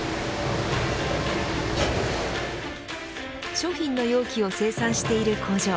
商品の容器を生産している工場。